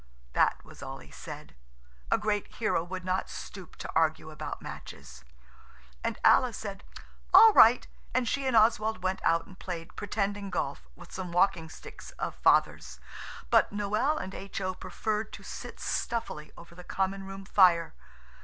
That was all he said. A great hero would not stoop to argue about matches. And Alice said, "All right," and she and Oswald went out and played pretending golf with some walking sticks of Father's. But Noël and H.O. preferred to sit stuffily over the common room fire.